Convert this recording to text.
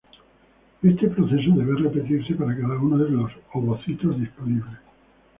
Este proceso debe repetirse para cada uno de los ovocitos disponibles.